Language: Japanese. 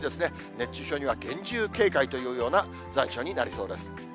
熱中症には厳重警戒というような残暑になりそうです。